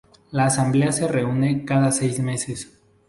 La asamblea se reúne cada seis meses.